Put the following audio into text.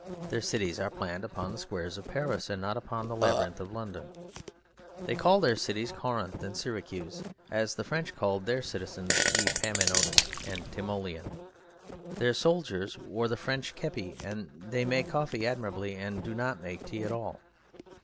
Their cities are planned upon the squares of Paris and not upon the labyrinth of London. They call their cities Corinth and Syracuse, as the French called their citizens Epaminondas and Timoleon. Their soldiers wore the French kepi; and they make coffee admirably, and do not make tea at all.